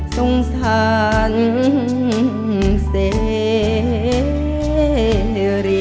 สงสารเสรี